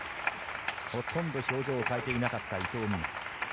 ほとんど表情を変えていなかった伊藤美誠。